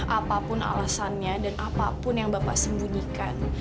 apapun alasannya dan apapun yang bapak sembunyikan